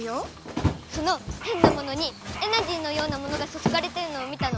そのへんなものにエナジーのようなものがそそがれてるのを見たの！